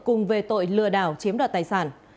cùng về tội lừa đảo chiếm đoạt tài sản